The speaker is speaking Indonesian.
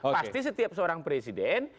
pasti setiap seorang presiden